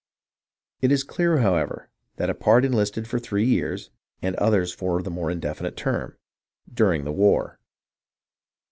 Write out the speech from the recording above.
It is clear, however, that a part enlisted for three years, and others for the more indefinite term, "dur ing the war."